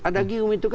ada gium itu kan